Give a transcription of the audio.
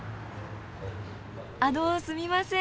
あのうすみません。